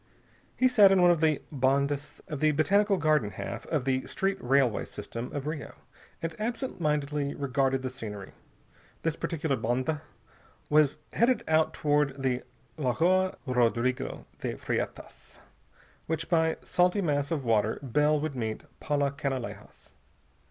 He sat in one of the bondes of the Botanical Garden half of the street railway system of Rio, and absent mindedly regarded the scenery. This particular bonde was headed out toward the Lagoa Rodrigo de Freitas, by which salty mass of water Bell would meet Paula Canalejas.